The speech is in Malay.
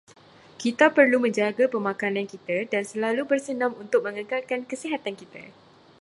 Kita perlu menjaga pemakanan kita dan selalu bersenam untuk mengekalkan kesihatan kita.